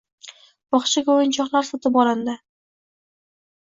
Bog'chaga o'yinchoqlar sotib olindi